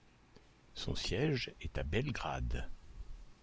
Son siège est à Belgrade.